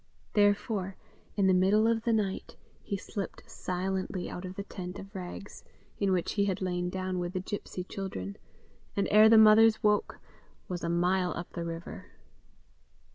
Therefore, in the middle of the night, he slipped silently out of the tent of rags, in which he had lain down with the gipsy children, and ere the mothers woke, was a mile up the river.